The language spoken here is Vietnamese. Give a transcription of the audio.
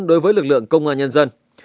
đối với lực lượng công an nhân dân